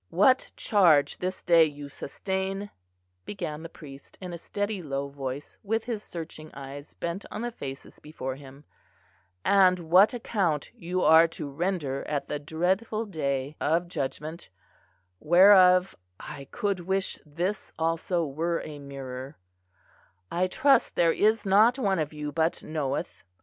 "What charge this day you sustain," began the priest, in a steady low voice, with his searching eyes bent on the faces before him, "and what account you are to render at the dreadful Day of Judgment, whereof I could wish this also were a mirror, I trust there is not one of you but knoweth.